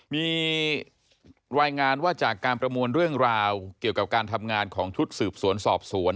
มีรายงานว่าจากการประมวลเรื่องราวเกี่ยวกับการทำงานของชุดสืบสวนสอบสวน